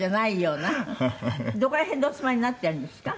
どこら辺でお住まいになってるんですか？